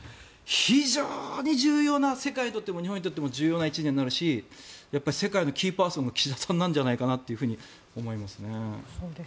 非常に重要な世界にとっても日本にとっても重要な１年になるし世界のキーパーソンは岸田さんなんじゃないかって思いますね。